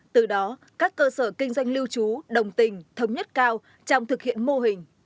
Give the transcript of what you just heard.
từ đó các cơ sở kinh doanh lưu trú đồng tình thống nhất cao trong thực hiện mô hình